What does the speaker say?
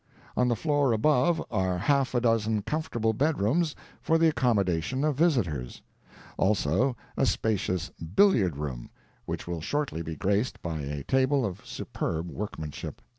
On the floor above are half a dozen comfortable bedrooms for the accommodation of visitors; also a spacious billiard room which will shortly be graced by a table of superb workmanship.